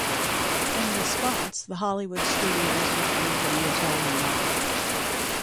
In response the Hollywood studios withdrew from the Italian market.